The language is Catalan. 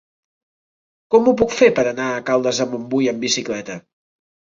Com ho puc fer per anar a Caldes de Montbui amb bicicleta?